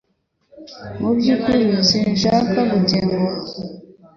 Mu byukuri sinshaka gutenguha